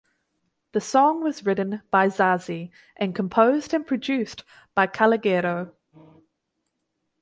The song was written by Zazie and composed and produced by Calogero.